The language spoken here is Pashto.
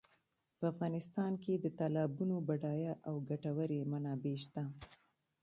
په افغانستان کې د تالابونو بډایه او ګټورې منابع شته.